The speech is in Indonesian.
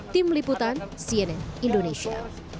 tim liputan cnn indonesia